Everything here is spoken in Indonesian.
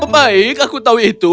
baik aku tahu itu